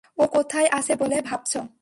ও কোথায় আছে বলে ভাবছ?